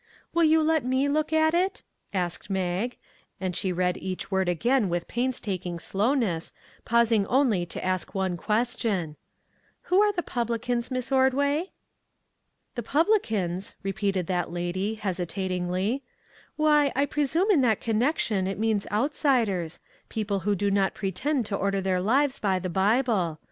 " Will you let me look at it? " asked Mag, and she read each word again with painstaking slowness, pausing only to ask one question: " Who are the publicans, Miss Ordway ?"" The publicans," repeated that lady, hesi tatingly; "why, I presume in that connection it means outsiders; people who do not pretend to order their lives by the Bible.